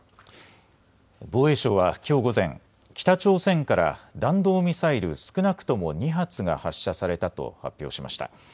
防衛省はきょう午前、北朝鮮から弾道ミサイル少なくとも２発が発射されたと発表しました。